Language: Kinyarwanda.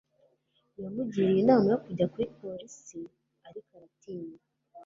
yamugiriye inama yo kujya kuri polisi, ariko aratinya